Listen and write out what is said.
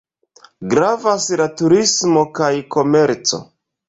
Gravas la turismo kaj komerco.